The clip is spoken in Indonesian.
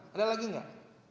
ada lagi enggak